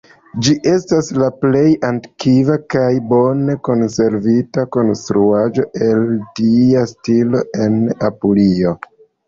Ĝi estas la plej antikva kaj bone konservita konstruaĵo el tia stilo en Apulio.